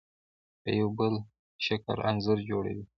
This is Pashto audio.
په یو بل شکل انځور جوړوي.